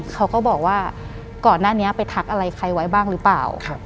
เขาก็บอกว่าก่อนหน้านี้ไปทักอะไรใครไว้บ้างหรือเปล่า